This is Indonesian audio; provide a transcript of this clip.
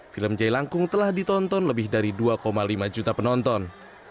film jailangkung telah ditonton lebih dari dua lima juta penonton